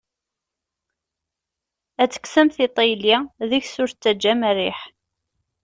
Ad tekksem tiṭ i yelli, deg-s ur d-tettaǧǧam rriḥ.